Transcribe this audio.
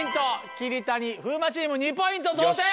桐谷・風磨チーム２ポイント同点！